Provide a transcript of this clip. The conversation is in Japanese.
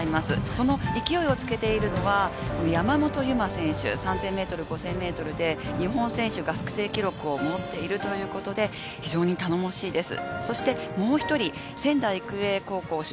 その勢いをつけているのは、山本有真選手、３０００ｍ、５０００ｍで日本選手学生記録を持っているということで、非常に頼もしいです。